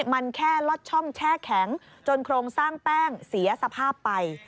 มันแค่ลอดช่องแช่แข็งจนโครงสร้างแป้งเสียสภาพไป